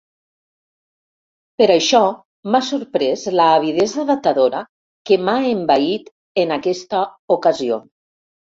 Per això m'ha sorprès l'avidesa datadora que m'ha envaït en aquesta ocasió.